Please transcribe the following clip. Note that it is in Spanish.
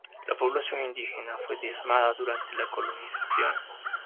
La población indígena fue diezmada durante la colonización.